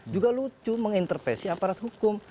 juga lucu mengintervensi aparat hukum